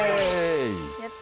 やった！